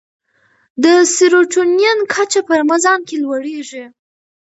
د سیرټونین کچه په رمضان کې لوړېږي.